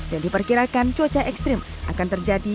dan diperkirakan cuaca ekstrim akan terjadi